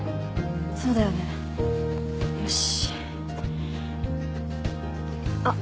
そうだよねよしあっ